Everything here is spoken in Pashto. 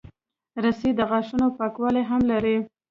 رس د غاښونو پاکوالی هم لري